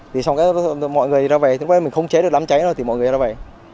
thì xong rồi mọi người ra về mình không chế được đám cháy nữa thì mọi người ra về